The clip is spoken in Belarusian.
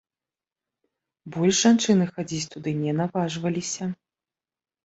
Больш жанчыны хадзіць туды не наважваліся.